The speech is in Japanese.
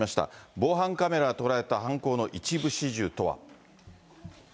防犯カメラが捉えた犯行の一部始終とは。